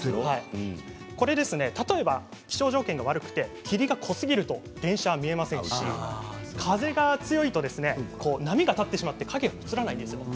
これ、例えば気象条件が悪くて霧が濃すぎると電車は見えませんし風が強いと波が立ってしまって影がうつらないですよ。